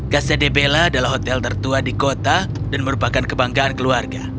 casa de bella adalah hotel tertua di kota dan merupakan kebanggaan keluarga